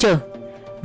rừng núi hiểm trở